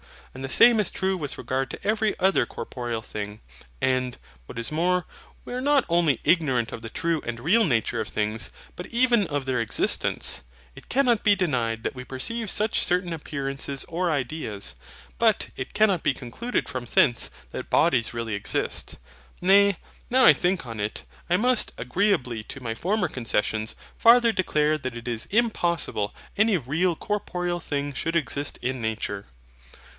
And the same is true with regard to every other corporeal thing. And, what is more, we are not only ignorant of the true and real nature of things, but even of their existence. It cannot be denied that we perceive such certain appearances or ideas; but it cannot be concluded from thence that bodies really exist. Nay, now I think on it, I must, agreeably to my former concessions, farther declare that it is impossible any REAL corporeal thing should exist in nature.